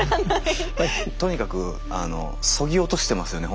とにかくそぎ落としてますよね